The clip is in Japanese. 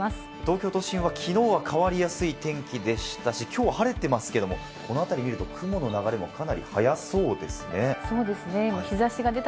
東京都心はきのうは変わりやすい天気でしたし、きょうは晴れてますけれども、このあたり見ると雲の流れもかなり速そうですね。